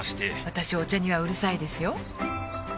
私お茶にはうるさいですよ